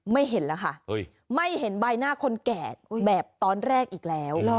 เห็นแล้วค่ะไม่เห็นใบหน้าคนแก่แบบตอนแรกอีกแล้ว